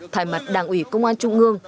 thải mặt đảng ủy công an trung ương